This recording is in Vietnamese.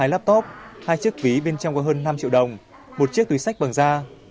hai laptop hai chiếc ví bên trong có hơn năm triệu đồng một chiếc túi sách bằng da